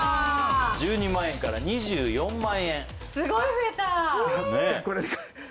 １２万円から２４万円すごい増えた！